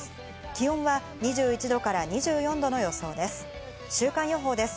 気温は２１度２４度の予想です。